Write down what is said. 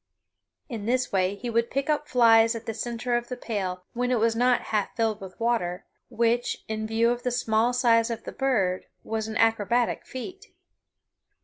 In this way he would pick up flies at the center of the pail when it was not half filled with water, which, in view of the small size of the bird, was an acrobatic feat.